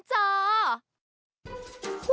เจ้าแจ๊กริมเจ้า